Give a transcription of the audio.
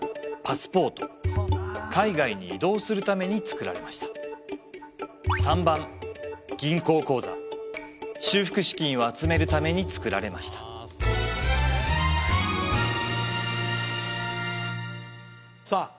海外に移動するために作られました修復資金を集めるために作られましたさあ